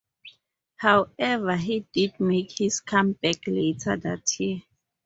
However he did make his comeback later that year.